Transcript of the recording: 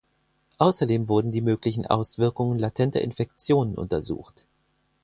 Außerdem wurden die möglichen Auswirkungen latenter Infektionen untersucht.